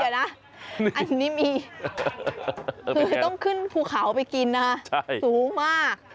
อันนี้มีคือต้องขึ้นภูเขาไปกินนะสูงมาก